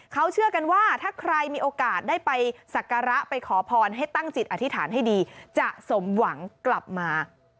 เขาเชื่อกันว่าถ้าใครมีโอกาสได้ไปสักการะไปขอพรให้ตั้งจิตอธิษฐานให้ดีจะสมหวังกลับมา